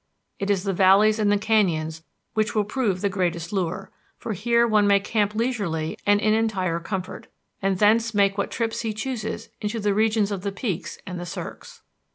It is the valleys and the canyons which will prove the greatest lure, for here one may camp leisurely and in entire comfort, and thence make what trips he chooses into the regions of the peaks and the cirques.